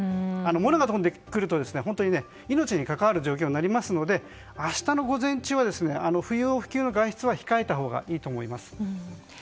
物が飛んでくると本当に命に関わる状況ですので明日の午前中は不要不急の外出は控えたほうがいいと思います。